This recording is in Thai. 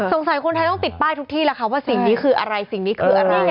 คนไทยต้องติดป้ายทุกที่แหละค่ะว่าสิ่งนี้คืออะไรสิ่งนี้คืออะไร